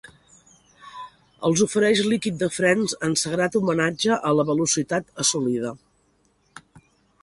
Els ofereixi líquid de frens en sagrat homenatge a la velocitat assolida.